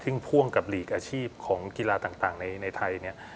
ซึ่งพ่วงกับหลีกอาชีพของกีฬาต่างในไทยเนี่ย